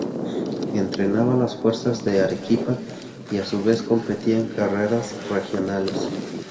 Entrenaba a las afueras de Arequipa y a su vez competía en carreras regionales.